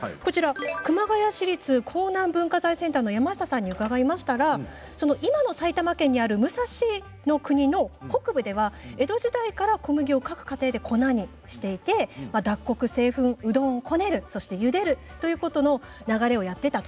熊谷市立江南文化財センターの山下さんに伺いましたら今の埼玉県に当たる武蔵国の北部では、江戸時代から小麦を各家庭で粉にしていて脱穀、製粉、うどんをこねるゆでるという流れをやっていたと。